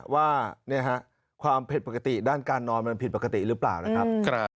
ว่าความผิดปกติด้านการนอนมันผิดปกติหรือเปล่านะครับ